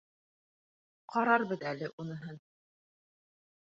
— Ҡарарбыҙ әле уныһын...